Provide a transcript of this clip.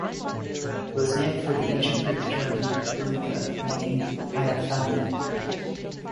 It was named for the ancient Greek term, "Eureka", meaning, "I have found it.